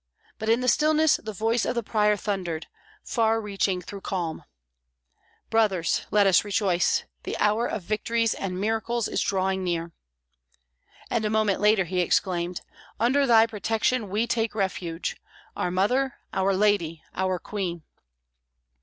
But in the stillness the voice of the prior thundered, far reaching though calm, "Brothers, let us rejoice! the hour of victories and miracles is drawing near!" And a moment later he exclaimed: "Under Thy protection we take refuge, Our Mother, Our Lady, Our Queen!"